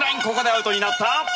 アウトになった。